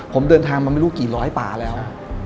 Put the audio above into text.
ผมเดินทางมาไม่รู้กี่ร้อยป่าแล้ว